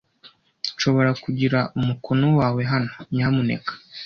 Nshobora kugira umukono wawe hano, nyamuneka?